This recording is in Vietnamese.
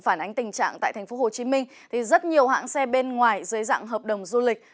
phản ánh tình trạng tại tp hcm thì rất nhiều hãng xe bên ngoài dưới dạng hợp đồng du lịch